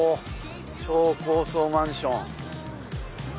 超高層マンション。